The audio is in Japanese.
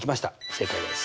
正解です。